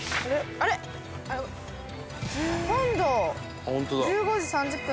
本堂１５時３０分